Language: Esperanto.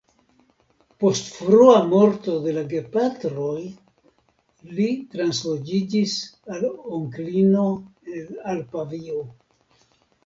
Post frua morto de la gepatroj li transloĝiĝis al onklino al Pavio.